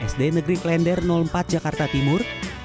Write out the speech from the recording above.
sd negeri klender empat jakarta timur